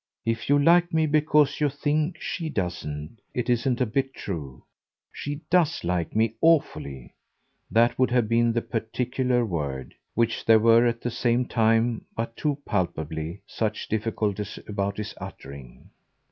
"If you like me because you think SHE doesn't, it isn't a bit true: she DOES like me awfully!" that would have been the particular word; which there were at the same time but too palpably such difficulties about his uttering.